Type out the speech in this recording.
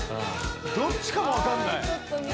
どっちかも分かんない。